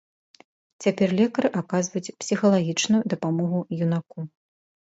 Цяпер лекары аказваюць псіхалагічную дапамогу юнаку.